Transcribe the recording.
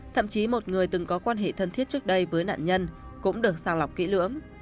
thậm chí một người từng có quan hệ thân thiết trước đây với nạn nhân cũng được sàng lọc kỹ lưỡng